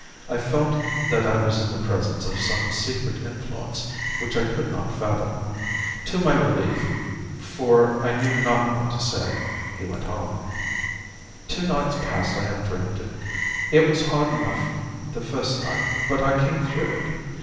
I felt that I was in the presence of some secret influence which I could not fathom. To my relief, for I knew not what to say, he went on: "Two nights past have I dreamed it. It was hard enough the first night, but I came through it.